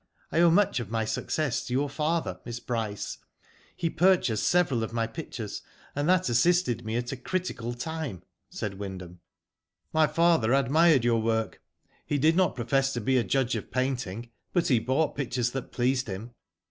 I owe much of my success to your father. Miss Bryce. He purchased several of my pictures, and that assisted me at a critical time," said Wyndham. My father admired your work. He did not profess to be a judge of painting, but he bought pictures that pleased him.